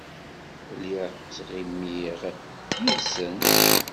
Lliɣ ttɣimiɣ yid-sen.